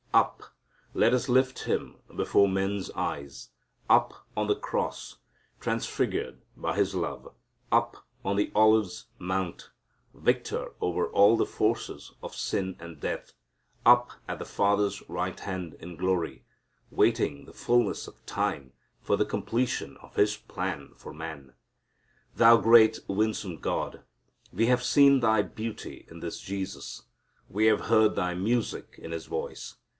Up let us lift Him before men's eyes; up on the cross, transfigured by His love; up on the Olives' Mount, Victor over all the forces of sin and death; up at the Father's right hand in glory, waiting the fullness of time for the completion of His plan for man. Thou great winsome God, we have seen Thy beauty in this Jesus. We have heard Thy music in His voice.